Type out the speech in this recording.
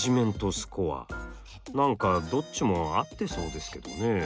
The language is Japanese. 何かどっちも合ってそうですけどね。